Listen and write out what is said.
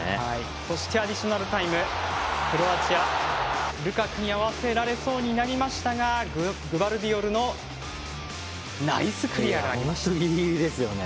そしてアディショナルタイムクロアチアルカクに合わせられそうになりましたがグバルディオルの本当、ぎりぎりですよね。